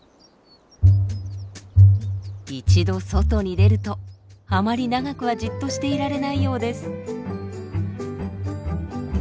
一度外に出るとあまり長くはじっとしていられないようです。